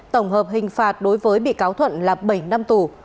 tổng hợp hình phạt đối với bị cáo thuận là bảy năm tù